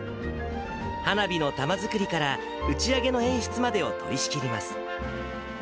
花火の球作りから、打ち上げの演出までを取り仕切ります。